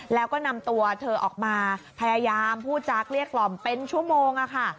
แล้วก็นำตัวเธอออกมาพยายามพูดจากเกลี้ยกล่อมเป็นชั่วโมงค่ะ